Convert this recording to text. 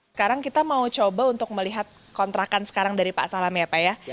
sekarang kita mau coba untuk melihat kontrakan sekarang dari pak salam ya pak ya